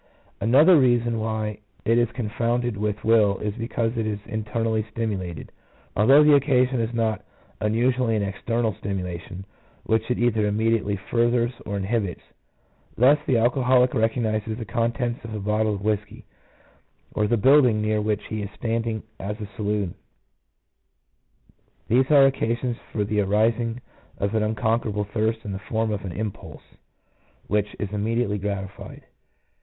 Another reason why it is confounded with will is because it is internally stimulated, although the occasion is not unusually an external stimulation, which it either immediately furthers or inhibits. Thus the alcoholic recognizes the contents of a bottle as whisky, or the building near which he is standing as a. saloon; these are occasions for the arising of an unconquerable thirst in the form of an impulse, which is immediately gratified.